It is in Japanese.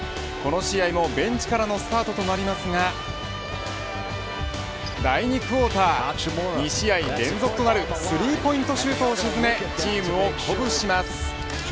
この試合もベンチからのスタートとなりますが第２クオーター２試合連続となるスリーポイントシュートを沈めチームを鼓舞します。